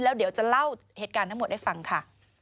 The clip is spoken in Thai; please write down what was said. แล้วเดี๋ยวจะเล่าเหตุการณ์ทั้งหมดให้ฟังค่ะ